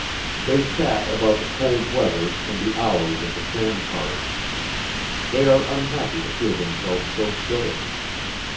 They chat about the cold weather and the hours of the tramcars. They are unhappy to feel themselves so silly.